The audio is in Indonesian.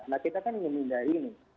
nah kita kan ingin memindahi ini